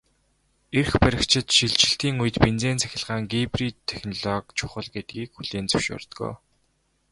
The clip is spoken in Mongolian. Эрх баригчид шилжилтийн үед бензин-цахилгаан гибрид технологи чухал гэдгийг хүлээн зөвшөөрдөг.